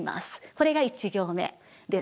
これが１行目です。